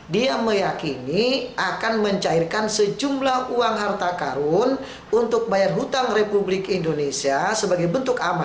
dia meyakini akan mencairkan sejumlah uang harta karun untuk bayar hutang republik indonesia sebagai bentuk amanah